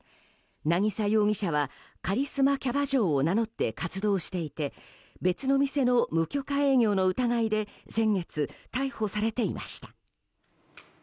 渚容疑者はカリスマキャバ嬢を名乗って活動していて別の店の無許可営業の疑いで先月、逮捕されていました。